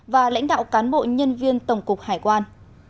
và lãnh đạo cán bộ nhân viên tổng cục hải quan